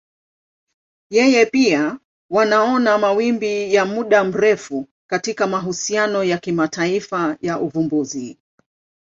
Yeye pia wanaona mawimbi ya muda mrefu katika mahusiano ya kimataifa ya uvumbuzi.